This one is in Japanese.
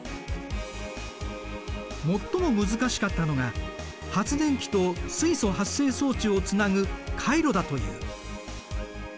最も難しかったのが発電機と水素発生装置をつなぐ回路だという。